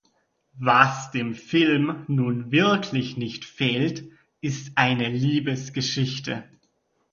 Was dem Film nun wirklich nicht fehlt, ist eine Liebesgeschichte.